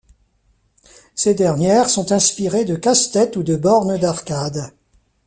Ces dernières sont inspirées de casse-tête ou de bornes d'arcade.